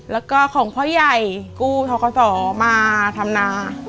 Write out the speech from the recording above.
แล้วก็ของพ่อใหญ่กู้ทกศมาทำนา